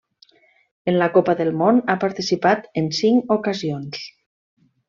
En la Copa del Món ha participat en cinc ocasions.